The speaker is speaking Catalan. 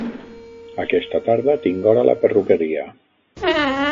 Aquesta tarda tinc hora a la perruqueria.